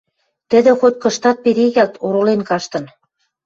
тӹдӹ хоть-кыштат перегӓлт, оролен каштын: